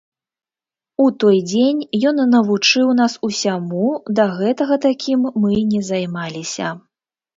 У той дзень ён навучыў нас ўсяму, да гэтага такім мы не займаліся.